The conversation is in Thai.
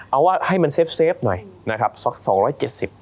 เอาว่าให้มันเซฟหน่อย๒๗๐